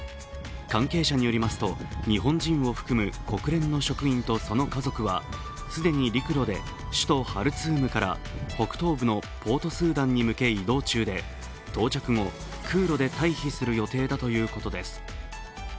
関係者によりますと日本人を含む国連の職員とその家族は既に陸路で首都ハルツームから北東部のポートスーダンに向け移動中で到着後、空路で退避する予定だということです。